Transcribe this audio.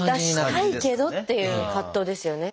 出したいけどっていう葛藤ですよね。